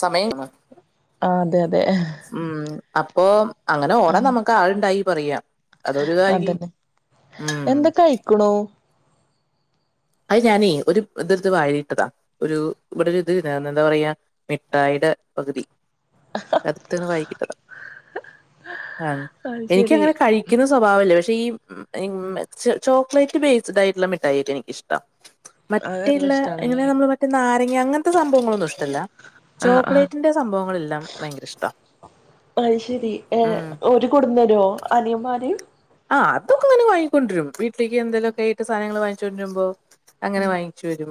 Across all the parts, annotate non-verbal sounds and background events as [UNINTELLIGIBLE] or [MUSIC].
സമയം ആഹ് അതെ അതെ ഉമ് അപ്പൊ അങ്ങനെ ഉം ഓടാൻ നമുക്ക് ആളുണ്ടായി പറയാം അതൊരു ഇതായി ഉമ് ക്ക്‌ണോ അത് ഞാനേ ഒരു ഇത്ഡ്ത് വാഴിലി ട്ടതാ ഒരു ഇവിടെ ണ്ടാർന്നു ഒരു ഇത് എന്താ പറയാ മിഠായിടെ പകുതി അടു വായിക്കിട്ടത് ആഹ് അത് ശെരി എനിക്കങ്ങനെ കഴ ക്കുന്ന സ്വഭാവല്ലേ പക്ഷെ ഈ ചോക്ലേറ്റ് ബേസ്ഡ് ആയിട്ടുള്ള മിഠായില്ലേ എനിക്ക് ഇഷ്ടം അത് നല്ല മറ്റേള്ള ഇഷ്ടാണല്ലേ ഇങ്ങനെ നമ്മള് മറ്റെ ന്നാരങ്ങ അങ്ങനത്തെ സംഭവങ്ങളൊന്നും ഇഷ്ടല്ല ആഹ് ആഹ് ചോക്ലേറ്റിന്റെ സംഭവങ്ങളെല്ലാം ഭയങ്കര ഇഷ്ട്ടാ മ് കൊടുന്നേരോ അനിയ ന്മാര് ആഹ് അതൊക്കെങ്ങനെ വാങ്ങിക്കൊണ്ട വരും വീട്ടിലേക്ക് എന്തെലുംക്ക ആയിട്ട് സാധനങ്ങ വാങ്ങിച്ചൊണ്ടിരുമ്പോ അങ്ങനെ ഉം വാങ്ങിച്ചു വരും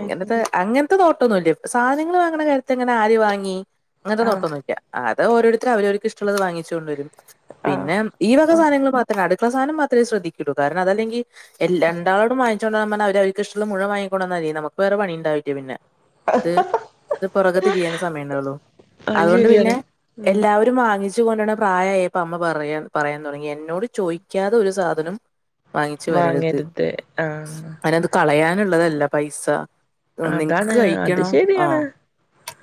അത് ശെരി അങ്ങനെ അങ്ങനത്തെ നോട്ടൊന്നൂല്യ സാധനങ്ങൾ വാങ്ങണ കാര്യത്തി ഇങ്ങനെ ആര് വാങ്ങി അങ്ങനത്തെ ആഹ് നോട്ടൊന്നും ഇല്ല അത ഓരോരുത്തും അവരവർക്കും ഇഷ്ടമുള്ളത് വാങ്ങിച്ച കൊണ്ട വരും ആഹ് പിന്നെ ഈ- ആഹ് സധങ്ങൾ മാത്രമേ അടുക്കള സാധനം മാത്രമേ ശ്രദ്ധിക്കൂ കാരണം അതല്ലെങ്കിൽ എല്ലാ [UNINTELLIGIBLE] അവ ഇഷ്ടം മുഴേ വാങ്ങിക്കൊണ്ടന്നാലേ നമുക്ക് വേറെ പണിയുണ്ടാവില്യ പിന്നെ അത് പുറകെ തിരിയാൻ സമയ ഉണ്ടാവുള്ളു അത് അതുകൊണ്ട് പിന്നെ ശെരിയാണ് ഉം എല്ലാവരും വാങ്ങിച്ചൊണ്ടരാൻ പ്രായയപ്പോ അമ്മ പറയാ പറയാൻ തുടങ്ങി എന്നോട് ചോദിക്കാതെ ഒരു സാധനം വാങ്ങിച്ചു വരരുത് വാങ്ങരുത് ആഹ് അതിനകത്തു കളയാനുള്ളതല്ല പൈസ നിങ്ങക്ക് അതാണ് അത് കഴിക്കണോ ശെരിയാണ് ആഹ്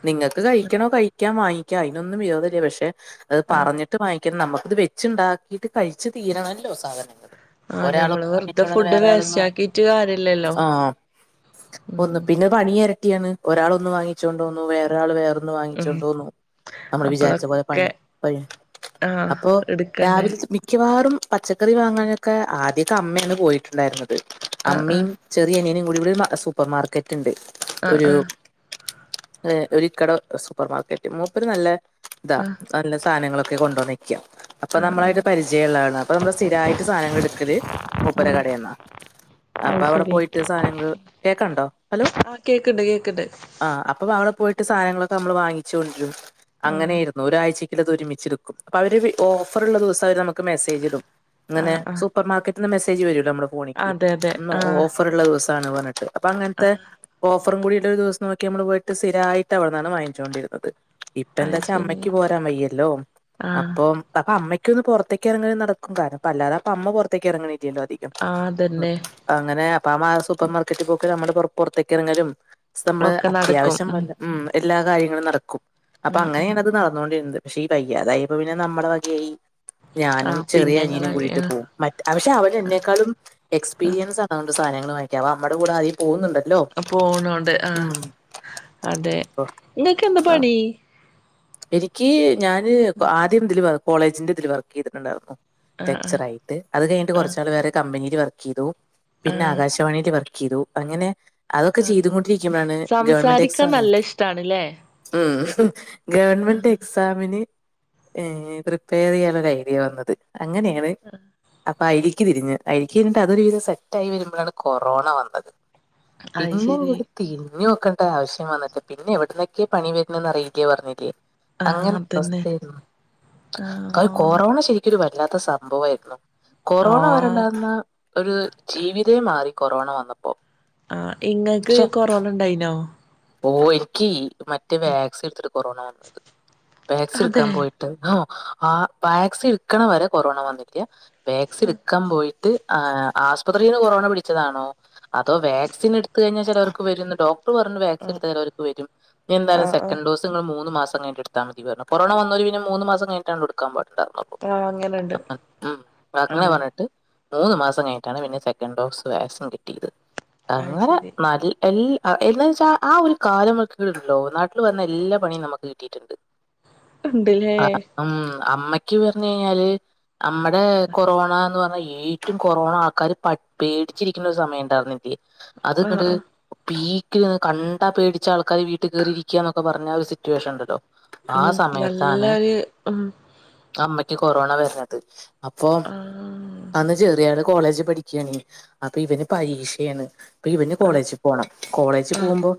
നിങ്ങക്ക് കഴിക്കണോ കഴിക്കാൻ വാങ്ങിക്ക അതിനൊന്നും വിരോധല്യ പക്ഷെ അത് ആഹ് പറഞ്ഞിട്ട് വാങ്ങിക്കണം നമുക് ഇത് വെച്ചുണ്ടാക്കിയിട്ട് കഴിച്ച് തീരണല്ലോ സാധനങ്ങൾ ആഹ് ഒരാൾ ഞമ്മള് വെറുതെ വാങ്ങിച്ചോടന്നു ഫുഡ് വേസ്റ്റ് വേറെയൊരാളൊന്നും ആക്കിട്ട് കാര്യല്ലല്ലോ ആഹ് ഉം ഒന്ന് പിന്നെ പണി എരട്ടിയാണ് ഒരാൾ ഒന്ന് വാങ്ങിച്ചു കൊണ്ട് വന്നു വേറൊരാൾ വേറൊ ന്ന് ഉം വാങ്ങിച്ചുണ്ടോന്നു നമ്മള് വിചാരിച്ച പോലെ അപ്പളൊക്കെ പണി കഴി ആഹ് അപ്പോ എടുക്കണ്ടേ രാവില മിക്കവാറും പച്ചക്കറി വാങ്ങാനൊക്കെ ആദ്യക്കെ അമ്മേണ് പോയിട്ടുണ്ടായിര്ന്നത്. ആഹ് ആഹ് അമ്മയും ചെറിയ മീനും കൂടി വടൊരു മാ സൂപ്പർമാർക്കറ്റ്ണ്ട്. ആഹ് ഒരു ആഹ് ഏഹ്. ഒരിക്കടെ സൂപ്പർമാർക്കറ്റ്. മൂപ്പര് നല്ല താ ആഹ് നല്ല സാനെങ്ങളൊക്കെ കൊണ്ടോന്നെക്ക്യാ ആഹ് ആഹ് ര്ജയള്ളാളാ. അപ്പമ്മള് സ്ഥിരായിട്ട് സാനങ്ങള് ട്ക്കല് മൂപ്പരെ ആഹ് കടേന്ന. അപ്പൊ അത് അവടെ ശരി പോയിട്ട് സാനങ്ങള് കേക്കണ്ടോ ഹലോ? യെക്ക്ണ്ട് യേക്ക്ണ്ട് ആഹ് അപ്പൊ വ അവടെ പോയിട്ട് സാനങ്ങളൊക്കെ അമ്മള് വാങ്ങിച്ചൊണ്ട് രും അങ്ങനെയ്രു ആഹ് അങ്ങനെയായിരുന്നു ന്നൊരാഴ്ചക്ക്ള്ളത് ഒരുമിച്ചെട്ക്കും. അപ്പൊ അവര് വി ഓഫറ്ള്ള ദിവസം അവര് നമ്മക്ക് മെസ്സേജിടും. ങ്ങനെ ആഹ് ആഹ് സൂപ്പർ മാർക്കറ്റ്ന്ന് മെസ്സേജ് വരുവല്ലൊ നമ്മളെ ഫോണീക്ക്. അതെ അതെ ന്നോ ആഹ് ഓഫറ്ള്ള ദിവസാണ് പർഞ്ഞിട്ട്. അപ്പഅങ്ങെൻത്തെ ആഹ് ഓഫറും കൂടിയിട്ട്ഒരു ദിവസം നോക്കി അമ്മള് പോയിട്ട് സ്ഥിരായിട്ട് അവട്ന്നാണ് വാങ്ങിച്ചോണ്ടിര്ന്നത്. ഇ അത് എന്താച്ചാ ശരി അമ്മയ്ക്ക് പോരാ വയ്യല്ലോ. ആഹ് അപ്പോം അപ്പൊ അമ്മയ് ക്കൊന്ന് പൊറത്തേക്ക് എറങ്ങലും നടക്കും. കാരണം പ്പഅല്ലാതെ അപ്പൊ അമ്മ പൊറത്തേക്ക് എറങ്ങണെ റ്റ്യല്ലോ അധികം ആഹ് അതന്നെ അങ്ങനെ അപ്പൊ അ മ സൂപ്പർ മാർക്കറ്റ്പോക്ക് അമ്മള് പൊറ് പൊർത്തേക്കിറങ്ങലും സ് അമ്മള് ഒക്കെ നടക്കും അത്യാവശ്യം ഉം വല്ല മ്. എല്ലാ കാര്യങ്ങളും നടക്കും. അപ്പൊ ഉം ഉം അങ്ങനെണ് അത് നടന്നോണ്ടിര്ന്നത്. പക്ഷെ ഈ വയ്യാതായപ്പോ പിന്നെ നമ്മടെ വകേയി ഞാനും ആഹ് പിന്നെ ചെറിയ ഇങ്ങളെ അനിയനും കൂടിയിട്ട് പോം. ആഹ് മറ്റെ അവഷെ അവനെന്നെക്കാലും എക്സ്പീരിയൻസാ അതോണ്ട് സാനങ്ങൾ വാങ്ങിക്കാ. അവ അമ്മടെ കൂടെ ആദ്യേ പോവ്ന്ന്ണ്ടല്ലോ പോണോണ്ട് ആഹ് അതെ. അപ്പൊ ങ്ങക്ക് എന്താ ആ പണി? എനിക്ക് ഞാന് ക ആദ്യം തില് വർ കോളേജ്ന്റെ തില് വർക്കെ യ്തിട്ട്ണ്ടായിരുന്നു. ആഹ് ആഹ് ടെക്ചറായിട്ട്. അത് കഴ്ഞ്ഞിട്ട് ആഹ് കൊർച്ചാള് വേറെ കമ്പനീല് വർക്കി യ്തു പിന്നെ ആഹ് ആകാശവാണീല് വർക്കി യ്തു. അങ്ങനെ അതൊക്കെ ആഹ് ചെയ്തുകൊണ്ടിരിക്കുമ്പഴാണ് ഗവൺമെന്റ് സംസാരിക്കാൻ എക്സാമ് നല്ല ഇഷ്ടാണ്ല്ലേ ഉം. ഗവൺമെന്റ് എക്സാമിന് ഏഹ് പ്രിപ്പയ റെയ്യാ ഒര ഐഡിയ പർഞ്ഞത്. അങ്ങനേണ് അ പ്പ അയിലീക്ക് തിരിഞ്ഞ്. അയി ലീക്ക് തിരിഞ്ഞ് അതൊരു വിധം സെറ്റായി വരുമ്പഴാണ് കൊറോണ വന്നത്. അത് ശരി പിന്നെങ്ങട് തിര്ഞ്ഞ് നോക്കണ്ടാ ആവശ്യം വന്ന്ട്ട്. പിന്നെ എവ്ട്ന്നെക്കേ പണി വെര്ണെന്നറിയില്ല്യാ പർഞ്ഞില്ലേ ആഹ് അതന്നെ അങ്ങൻത്തവസ്ഥയാര്ന്നു. അഅ് ആഹ് കൊറോണ ശരിക്കൊരു വല്ലാത്ത സംഭവാര്ന്നു. കൊറോണ ആഹ് വരെണ്ടാര്ന്ന ഒര് ജീവിതേ മാറി കൊറോണ വന്നപ്പൊ ആഹ്. ഇങ്ങക്ക് കൊറോണ ണ്ടായിനോ? ഓ എനിക്ക് മറ്റേ വാക്സിൻ ട്ത്തിട്ട് കൊറോണ വന്നത്. വാക്സിൻ അതെ ട്ക്കാൻ പോയി ട്ട് ഹോ ആഹ് വാക്സിൻട്ക്ക്ണ വരെ കൊറോണ വന്നിട്ടില്യ. വാക്സിൻട്ക്കാ പോയി ട്ട് ആഹ് ആസ്പത്രീന്ന് കൊറോണ പിടിച്ചതാണോ അതോ വേക്സിനിട്ത്ത് കഴിഞ്ഞാ ചെലോർക്ക് വെരുന്ന് ഡോക്ടർ പർണു വേ സി ആഹ് ട്ത്താ ചെലോര്ക്ക് വരും. നി ന്താലും ആഹ് ആഹ് സെക്കൻഡ് ഡോസ് ത്ത്ങ്ങള് മൂന്ന് മാസം കഴിഞ്ഞ്ട്ട് ഇട്ത്താമതി പർഞ്ഞു. കൊറോണ വന്നോര് പിന്നെ മൂന്ന് മാസം കഴിഞ്ഞിട്ടാൺല്ലോ ട്ക്കാം പാട്ണ്ടാര്ന്നൊള്ളൂ ആഹ് അങ്ങനെണ്ട് [UNINTELLIGIBLE] ആഹ് പർണിട്ട് മൂന്ന് മാസം കഴിഞ്ഞിട്ടാണ് പിന്നെ സെക്കൻഡ് ഡോസ് വാക്സിൻ കിട്ടീത്. അത് അങ്ങനെ ശരി നൽ എൽ ആഹ്എന്നാൻച്ചാ ആഹ് ഒരു കാലം മ്മക്ക് ണ്ടെല്ലൊ നാട്ടില് വന്നാ എല്ലാ പണിയും നമ്മക്ക് കിട്ടിയിട്ട്ണ്ട്. ട്ട് ണ്ട്ല്ലേ അം അമ്മയ്ക്ക് പർഞ്ഞെയിഞ്ഞാല് അമ്മടെ കൊറോണ ന്ന് പറഞ്ഞാ ഏഴ് റ്റും കൊറോണ ആൾക്കാര് പട് പേടിച്ചിരിക്ക്ണ ഒരു സമയം ണ്ടാർന്നു [UNINTELLIGIBLE] ആഹ് അത്ങ്ങട്ട് ആഹ് പീക്ക്ൽ ങ്ങനെ കണ്ടാ പേട്ച്ചാ ൾക്കാര് വീട്ട് കേറിയിരിക്കാന്നൊക്കെ പർഞ്ഞാ ഒരു സിറ്റുവേഷൻ ണ്ടല്ലോ ഉം നല്ലൊര് ഉം അമ്മയ്ക്ക് കൊറോണ വെര്ണത്. അപ്പൊ ആഹ് അന്ന് ചെറിയാള് കോളേജ് പഠിക്കുയാണ് അപ്പൊ ഇവന് പരീക്ഷയാണ് അപ്പൊ ഇവന് ആഹ് കോളേജിൽ പോണം കോളേജിൽ ആഹ് പോകുമ്പോ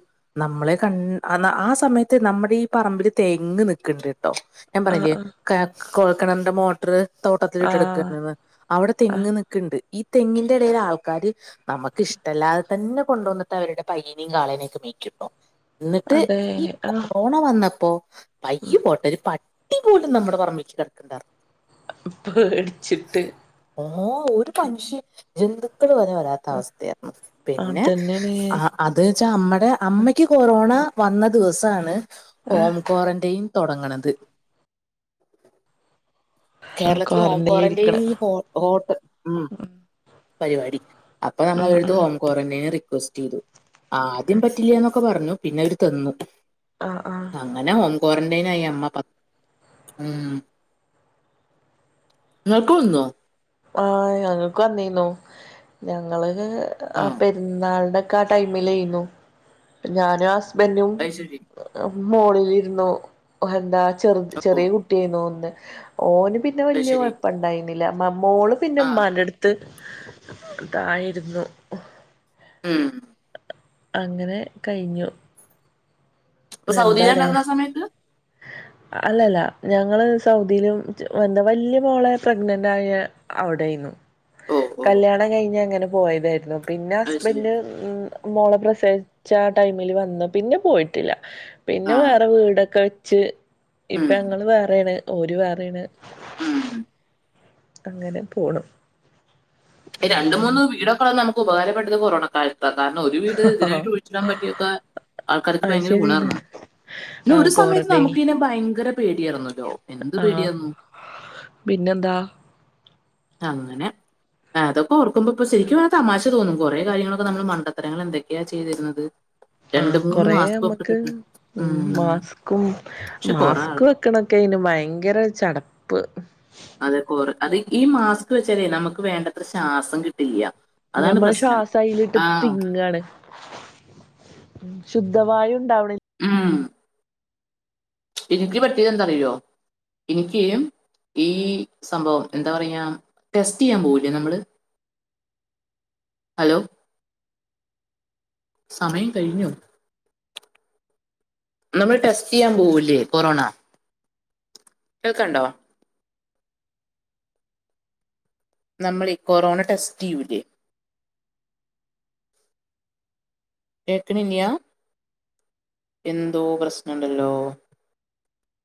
നമ്മളെ കണ് ആ സമയത്ത് നമ്മുടെ ഈ പറമ്പില് തെങ്ങ് നിക്കണ്ട് കേട്ടോ ഞാൻ പറഞ്ഞില്ലേ ആഹ് [UNINTELLIGIBLE] കൊഴക്കിണറിന്റെ മോട്ടർ തോട്ടത്തി ആഹ് ആഹ് ഇട്ടെടുക്കന്ന് അവിടെ ആഹ് തെങ്ങ് നക്കണ്ട് ഈ തെങ്ങിന്റെ ഇടൽ ആൾക്കാര് നമുക്ക് ഇഷ്ടല്ലാതെ തന്നെ കൊണ്ടുവന്നട്ട അവരുടെ പയ്യനെയും കാളേനെയൊക്കെ മേക്ക ട്ട എന്നിട്ട് അതെ ഈ ആഹ് കൊറോണ വന്നപ്പോ പയ്യ പോട്ട ഒരു പ എപ പോലും നമ്മുടെ പറമ്മി കിക്കണ്ടായിരുന്നു പേടിച്ചിട്ട് ഓഹോ ഒരു മനുഷ്യ ജന്തുക്കള് വരെ വര അവസ്ഥയായിരുന്നു പിന്നെ അതന്നെണ് അത് വെച്ചാ നമ്മടെ അമ്മയ്ക്ക് കൊറോണ വന്ന ദിവസമാണ് ഹോം ക്വാറന്റൈൻ തുടങ്ങണത് കേരളത്തില്ൽ ഹോം ക്വാറന്റൈനിൽ ക്വാറന്റൈന് ഇരിക്കണ ഈ ഹോട്ട ഉ പരിപാടി അപ്പൊ ഉം നമ്മൾടുത്ത് ഉം ഹോം ക്വാറന്റൈന റിക്വസ്റ്റ് ചെയ്തു ആദ്യം പറ്റില്ല ക്കെ പറഞ്ഞു പിന്നെ അവര് തന്നു ആഹ ആഹ അങ്ങനെ ഹോം ക്വാറന്റൈൻ ആയി അമ്മ ഉം ആക്കുന്നോ ആഹ ഞങ്ങൾക്ക് വന്നന്നു ഞങ്ങള് ആ പെരുന്നാളുടെ ആ ടൈമിലുന്നു ഞാനും ഹസ്ബൻഡും അത് ശരി മോളിലിരുന്നു എന്താ ചെറ ഓ ചെറിയ കുട്ടിയായിരുന്നുന്ന് ഓന് പി പിന്നെ അത് വല്യ ശരി കുഴപ്പ ഇണ്ടായിരുന്നില്ലമ്മോളും പിന്നെ ആ ഉമാന്റെ അടുത്ത് ത്ത് ഇതായിരുന്നു ഉം അങ്ങനെ കഴിഞ്ഞു എന്താലേ സൗദിലണ്ടാരുന്ന ആ സമയത്ത് [UNINTELLIGIBLE] അല്ലല്ല ഞങ്ങള് സൗദിയിലും എന്താ വലയ മോളെ പ്രഗ്നന്റ് ആയ അവിടെയിരുന്നു ഓ ഓ കല്യാണം കഴിഞ്ഞഞ് അങ്ങനെ പോയതായിരുന്നു പിന്നെ അത് ശരി ഹസ്ബന്ഡ് ഉം മോള പ്രസേവിച്ച ടൈമിൽ വന്ന പിന്നെ പോയി പ പിന്നെ ആ വേറെ വീടൊക്കെ വെച്ച് ഇപ്പ ഉം. അങ്ങൾ വേറെയാണ് ഒരു വേറാണ് ഉം അങ്ങനെ പോണു രണ്ട് മൂന്ന് വീടൊക്കൊണ് നമക്ക് ഉപകാരപ്പെട്ടത് കൊറോണക്കാലത്ത് കാരണം ഒരു വീട് ഇതിനായിട്ട് വിളിച്ചിടാൻ പറ്റിയൊക്കെ ആൾക്കാർക്ക് അത് ഭയങ്കര ശരിയാണ് ഗുണണ് പിന്നെ ആ ഒരു സമയത്ത് ക്വാറന്റൈൻ നമുക്ക് ഇനെ ഭയങ്കര പേടിയായിന്നല്ലോ എന്ത് ആ പേടിയായിന്ന പിന്നെന്താ അങ്ങനെ അതൊക്കെർക്കുമ്പോ ഇപ്പൊ ശരിക്കുതമാശ തോന്നും കുറേ കാര്യങ്ങളൊക്കെ നമ്മള് മണ്ടത്തരങ്ങൾ എന്തൊക്കെയാ ചെയ്തിരുന്നത് ആഹ രണ്ട് മൂന്ന് കൊറ മാസ്ക് ഒക്കെ നമ്മക്ക് ഇട്ടിട്ട് ഉം മാസ്ക്കും പക്ഷെ കുറെ മാസ്ക് ആള് വെക്കണൊക്കെ അയിന് ഭയങ്കര ചടപ്പ് അതെ കുറ അത് ഈ മാസ്ക് വെച്ചാലേ നമുക്ക് വേണ്ടത്ര ശ്വാസം കിട്ടില്ല അതാണ് ഞമ്മൾ പ്രശ്നം ശ്വാസ അയിലിട്ട് ആ തിങ്ങാണ് ശുദ്ധവായ ഉണ്ടാവണ ആഹ എനിക്ക് പറ്റിയത് എന്താ അറിയോ എനിക്ക് ഈ സംഭവം എന്താ പറയാ ടെസ്റ്റ് ചെയ്യാൻ പോവില്ലേ നമ്മള് ഹലോ സമയം കഴിഞ്ഞു നമ്മള് ടെസ്റ്റ് ചെയ്യാൻ പോകൂല്ലേ കൊറോണ കേൾക്കണ്ടോ നമ്മൾ ഈ കൊറോണ ടെസ്റ്റ് ചെയ്യുലേ കേക്കണില്ലാ എന്തോ പ്രശ്നമുണ്ടല്ലോ